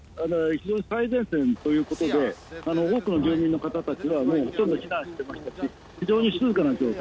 非常に最前線ということで、多くの住民の方たちはもうほとんど避難してましたし、非常に静かな状態。